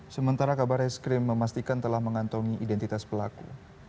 sementara kabar es krim memastikan telah mengantongi identitas pelaku